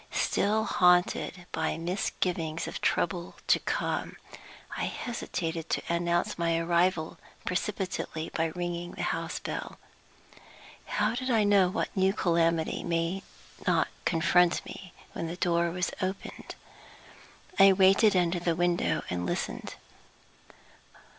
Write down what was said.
Still haunted by misgivings of trouble to come, I hesitated to announce my arrival precipitately by ringing the house bell. How did I know what new calamity might not confront me when the door was opened? I waited under the window and listened.